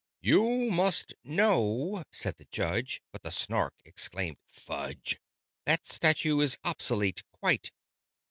"You must know " said the Judge: but the Snark exclaimed "Fudge!" That statute is obsolete quite!